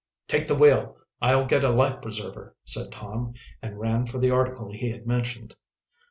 "Take the wheel I'll get a life preserver!" said Tom, and ran for the article he had mentioned.